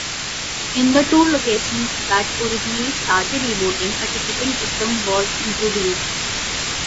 In the two locations that originally started eVoting, a "Ticketing" system was introduced.